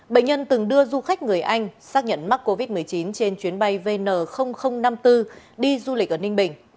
bệnh nhân từng đưa du khách người anh xác nhận mắc covid một mươi chín trên chuyến bay vn năm mươi bốn đi du lịch ở ninh bình